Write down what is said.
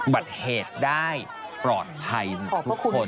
บัติเหตุได้ปลอดภัยทุกคน